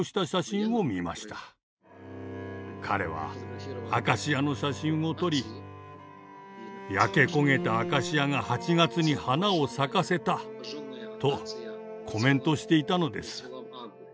彼はアカシアの写真を撮り「焼け焦げたアカシアが８月に花を咲かせた」とコメントしていたのです。